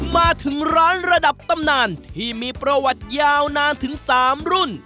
มาถึงร้านระดับตำนานที่มีประวัติยาวนานถึง๓รุ่น